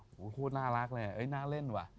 โห้น่ารักเลยเห็นน่าเล่นว่ะ